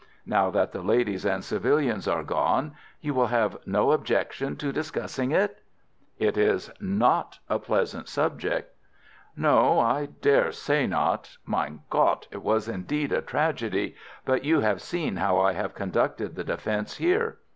Now that the ladies and civilians are gone you will have no objection to discussing it." "It is not a pleasant subject." "No, I dare say not. Mein Gott! it was indeed a tragedy. But you have seen how I have conducted the defence here.